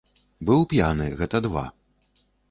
Быў п'яны, гэта два.